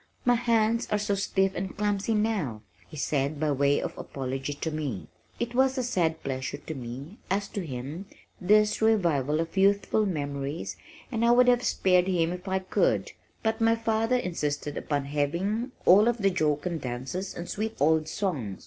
"My hands are so stiff and clumsy now," he said by way of apology to me. It was a sad pleasure to me, as to him, this revival of youthful memories, and I would have spared him if I could, but my father insisted upon having all of the jocund dances and sweet old songs.